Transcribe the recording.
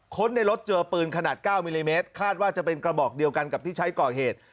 ในรถเจอปืนขนาด๙มิลลิเมตรคาดว่าจะเป็นกระบอกเดียวกันกับที่ใช้ก่อเหตุ